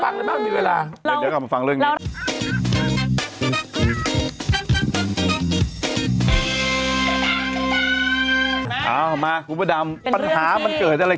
ในรายการหวนกระแส